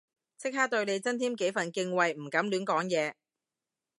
即刻對你增添幾分敬畏唔敢亂講嘢